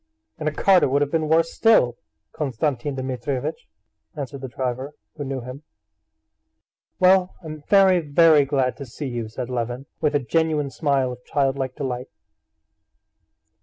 "In a cart it would have been worse still, Konstantin Dmitrievitch," answered the driver, who knew him. "Well, I'm very, very glad to see you," said Levin, with a genuine smile of childlike delight.